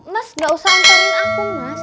mas gausah antarin aku mas